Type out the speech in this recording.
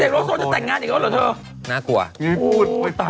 โลโซจะแต่งงานอีกแล้วเหรอเธอน่ากลัว